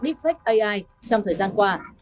deepfake ai trong thời gian qua